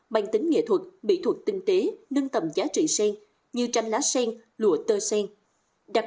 bành tính nghệ thuật bỹ thuật tinh tế nâng tầm giá trị sen như chanh lá sen lụa tơ sen đặc